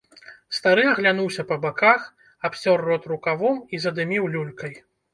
Стары аглянуўся па баках, абцёр рот рукавом і задыміў люлькай.